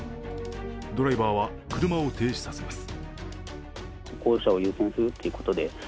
ドライバーは車を停止させます。